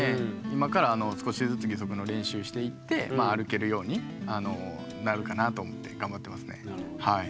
今から少しずつ義足の練習していって歩けるようになるかなと思って頑張ってますねはい。